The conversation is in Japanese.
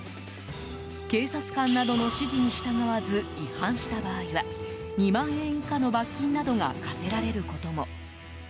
警察官などの指示に従わず違反した場合は２万円以下の罰金などが科せられることも。